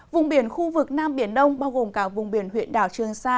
vùng biển khu vực nam biển đông bao gồm cả vùng biển huyện đảo trường sa